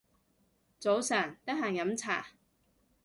早晨，得閒飲茶